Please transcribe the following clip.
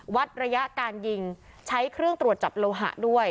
วัดระยะการยิงใช้เครื่องตรวจจับโลหะด้วย